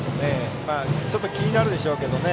ちょっと気になるでしょうけどね。